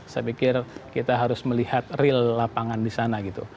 saya pikir kita harus melihat real lapangan di sana gitu